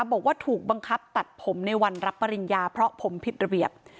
บอกว่าถูกบังคับตัดผมในวันรับปริญญาเพราะผมผิดระเบียบ